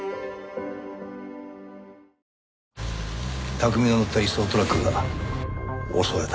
拓海が乗った移送トラックが襲われた。